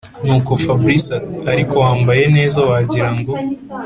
nuko fabric ati”ariko wambaye neza wagira ngo